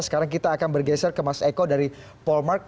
sekarang kita akan bergeser ke mas eko dari polmark